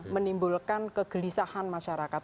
menimbulkan kegelisahan masyarakat